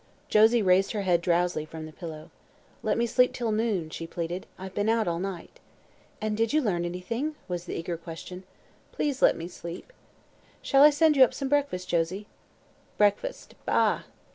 Josie raised her head drowsily from the pillow. "Let me sleep till noon," she pleaded. "I've been out all night." "And did you learn anything?" was the eager question. "Please let me sleep!" "Shall I send you up some breakfast, Josie?" "Breakfast? Bah!"